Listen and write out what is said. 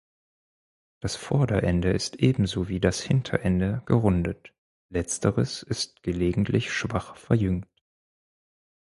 Das Vorderende ist ebenso wie das Hinterende gerundet, letzteres ist gelegentlich schwach verjüngt.